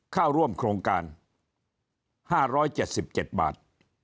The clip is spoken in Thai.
เข้าร่วมโครงการ๕๗๗บาท